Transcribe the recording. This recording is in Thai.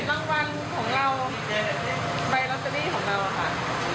ตอนเห็นรางวัลของเราใบราเซอรี่ของเราค่ะ